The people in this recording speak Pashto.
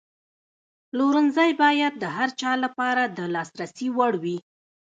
پلورنځی باید د هر چا لپاره د لاسرسي وړ وي.